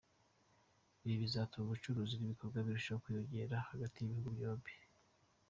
Ibi bizatuma ubucuruzi n’ibikorwa birushaho kwiyongera hagati y’ibihugu byombi.